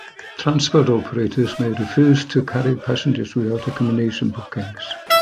Transport operators may refuse to carry passengers without accommodation bookings.